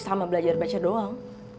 sama belajar baca doang